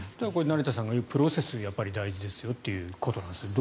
成田さんが言うプロセスが大事ですよということですね。